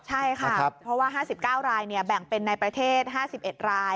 ใช่ค่ะเพราะว่า๕๙รายแบ่งเป็นในประเทศ๕๑ราย